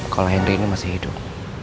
kalau henry ini masih hidup